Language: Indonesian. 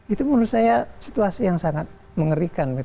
itu menurut saya situasi yang sangat mengerikan